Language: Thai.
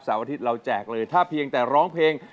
อาทิตย์เราแจกเลยถ้าเพียงแต่ร้องเพลง